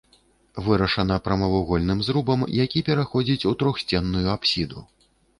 Вырашана прамавугольным зрубам, які пераходзіць у трохсценную апсіду.